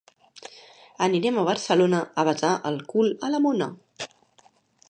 Anirem a Barcelona a besar el cul a la mona.